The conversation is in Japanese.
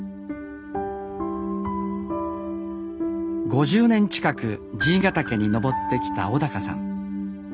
５０年近く爺ヶ岳に登ってきた小さん。